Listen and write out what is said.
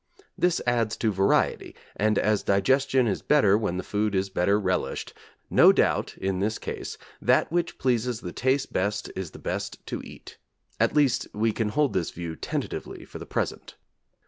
This adds to variety, and as digestion is better when the food is better relished, no doubt, in this case, that which pleases the taste best is the best to eat. At least, we can hold this view tentatively for the present.